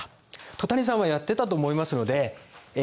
戸谷さんはやってたと思いますのでえ